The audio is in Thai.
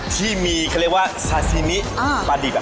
ที่เขาเรียกว่าซาซินิปลาดิบ